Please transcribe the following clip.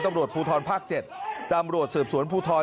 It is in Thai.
ตำรวจภูทรภาค๗ตำรวจสืบสวนภูทร